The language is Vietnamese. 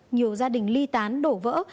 nhiều gia đình ly tán đổ vỡ